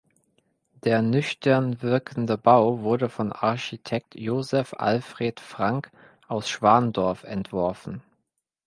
Der nüchtern wirkende Bau wurde von Architekt Josef Alfred Frank aus Schwandorf entworfen.